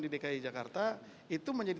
di dki jakarta itu menjadi